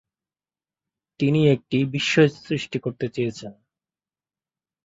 তিনি একটি বিস্ময় সৃষ্টি করতে চেয়েছেন।